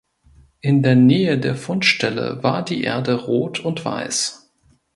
In der Nähe der Fundstelle war die Erde rot und weiß.